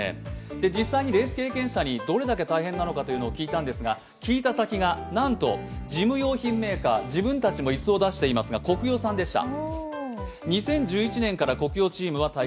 実際にレース経験者にどれだけ大変かを聞いたんですが、聞いた先がなんと事務用品メーカー自分たちも椅子を出していますがコクヨさんでした。